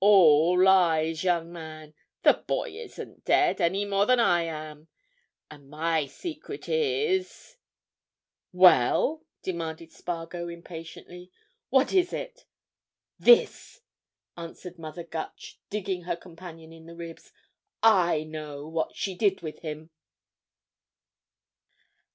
"All lies, young man, the boy isn't dead—any more than I am. And my secret is—" "Well?" demanded Spargo impatiently. "What is it?" "This!" answered Mother Gutch, digging her companion in the ribs, "I know what she did with him!"